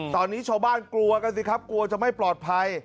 ตอนนี้ชาวบ้านกลัวกันสิครับกลัวจะไม่ปลอดภัย